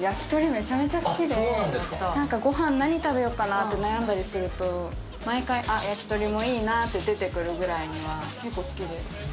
焼き鳥めちゃめちゃ好きで、なんか、ごはん、何食べようかなって悩んだりすると、毎回、あっ、焼き鳥もいいなって出てくるぐらいには結構好きです。